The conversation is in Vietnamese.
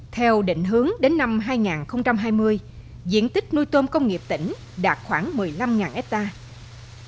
theo định hướng đến năm hai nghìn hai mươi diện tích nuôi tôm công nghiệp tỉnh đạt khoảng một mươi năm hectare